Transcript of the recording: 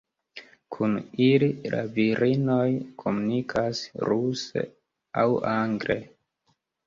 Kun ili la virinoj komunikas ruse aŭ angle.